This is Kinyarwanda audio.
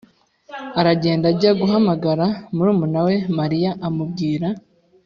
aragenda ajya guhamagara murumuna we Mariya amubwira